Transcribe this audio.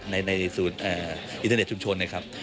ในศูนย์อินเทอร์เน็ตชุมชนนะครับ